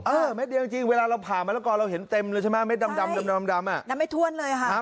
เม็ดเดียวจริงเวลาเราผ่ามะละกอเราเห็นเต็มเลยใช่ไหมเม็ดดำดำอ่ะนับไม่ถ้วนเลยค่ะ